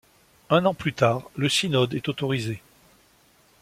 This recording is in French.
Un an plus tard, le synode est autorisé.